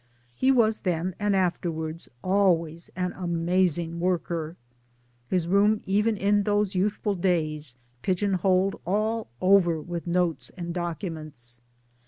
He was, then and afterwards, always an amazing worker his room even in those youthful days pigeon holed all over with notes and documents.